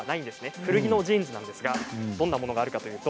古着のジーンズなんですがどんなものがあるかというと。